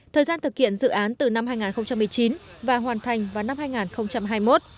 thời gian thực hiện dự án từ năm hai nghìn một mươi chín và hoàn thành vào năm hai nghìn hai mươi một